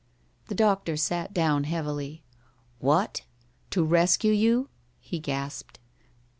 The doctor sat down heavily. "What? To rescue you?" he gasped.